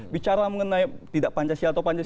bicara mengenai tidak pancasi atau pancasi